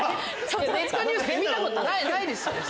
ネットニュースで見たことないですよね。